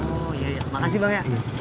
oh iya makasih bang ya